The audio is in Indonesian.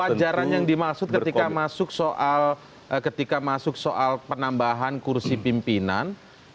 kewajaran yang dimaksud ketika masuk soal penambahan kursi pimpinan